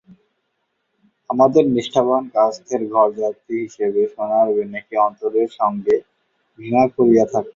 আমাদের নিষ্ঠাবান কায়স্থের ঘর–জাতি হিসেবে সোনার-বেনেকে অন্তরের সঙ্গে ঘৃণা করিয়া থাকি।